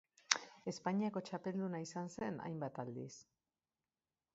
Espainiako txapelduna izan zen hainbat aldiz.